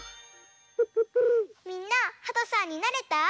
みんなはとさんになれた？